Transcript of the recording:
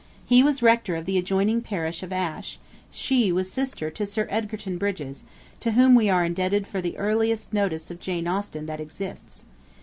He was rector of the adjoining parish of Ashe; she was sister to Sir Egerton Brydges, to whom we are indebted for the earliest notice of Jane Austen that exists.